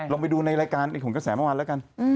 ลองไปดูในรายการของกระแสเมื่อวานแล้วกัน